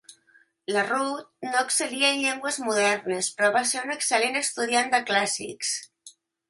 La Routh no excel·lia en llengües modernes però va ser una excel·lent estudiant dels clàssics.